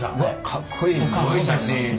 かっこいい。